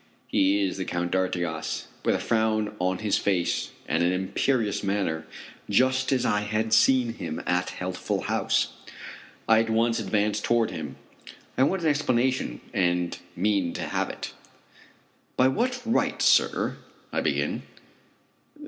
He is the Count d'Artigas, with a frown on his face and an imperious manner, just as I had seen him at Healthful House. I at once advance toward him. I want an explanation and mean to have it. "By what right, sir?" I begin.